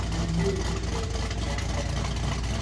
Nə nzìkuʼ nɛ̂n jə yò cwɛ̌d nja αm.